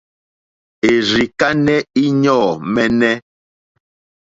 Èrzì kánɛ́ íɲɔ̂ mɛ́nɛ́.